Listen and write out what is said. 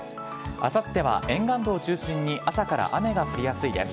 あさっては沿岸部を中心に朝から雨が降りやすいです。